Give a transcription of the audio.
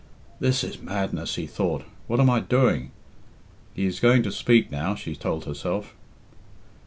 "This is madness," he thought. "What am I doing?" "He is going to speak now," she told herself.